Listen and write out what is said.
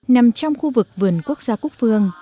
nằm trong khu vực vườn quốc gia quốc phương